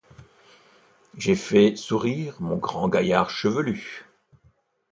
J’ai fait sourire mon grand gaillard chevelu.